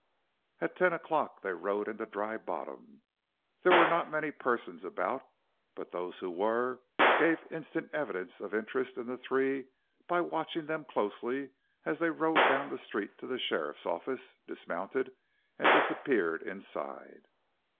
At ten o'clock they rode into Dry Bottom. There were not many persons about, but those who were gave instant evidence of interest in the three by watching them closely as they rode down the street to the sheriff's office, dismounted, and disappeared inside.